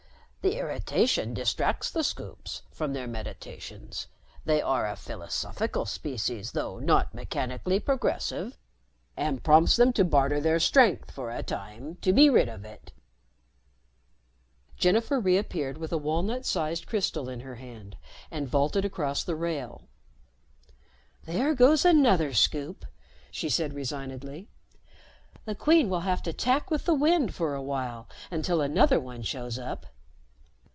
The irritation distracts the Scoops from their meditations they are a philosophical species, though not mechanically progressive and prompts them to barter their strength for a time to be rid of it." Jennifer reappeared with a walnut sized crystal in her hand and vaulted across the rail. "There goes another Scoop," she said resignedly. "The Queen will have to tack with the wind for a while until another one shows up."